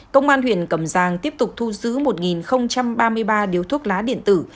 công an huyện cẩm giang tiếp tục thu giữ một ba mươi ba điếu thuốc lá điện tử